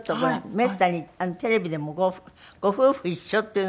めったにテレビでもご夫婦一緒っていうのはない。